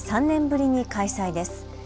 ３年ぶりに開催です。